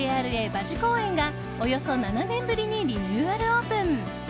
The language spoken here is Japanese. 馬事公苑がおよそ７年ぶりにリニューアルオープン。